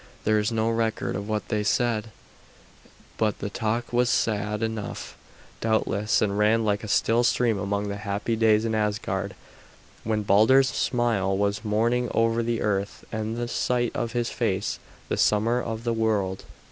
There is no record of what they said, but the talk was sad enough, doubtless, and ran like a still stream among the happy days in Asgard when Balder's smile was morning over the earth and the sight of his face the summer of the world.